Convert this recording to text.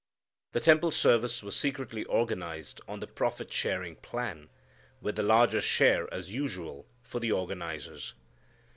The temple service was secretly organized on the profit sharing plan, with the larger share, as usual, for the organizers.